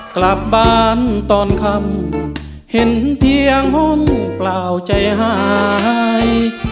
กลับบ้านตอนค่ำเห็นเพียงห้องเปล่าใจหาย